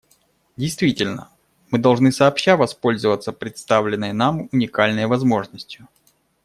Действительно, мы должны сообща воспользоваться представленной нам уникальной возможностью.